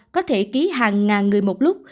có thể ký hàng ngàn người một lúc